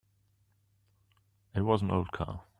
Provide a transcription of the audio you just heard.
It was an old car.